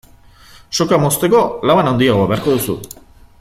Soka mozteko laban handiago beharko duzu.